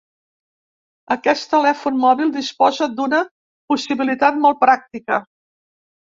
Aquest telèfon mòbil disposa d'una possibilitat molt pràctica.